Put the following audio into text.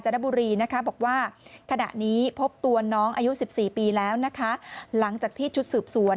บุรีนะคะบอกว่าขณะนี้พบตัวน้องอายุ๑๔ปีแล้วนะคะหลังจากที่ชุดสืบสวน